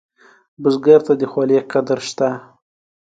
بزګر ته د خولې قدر شته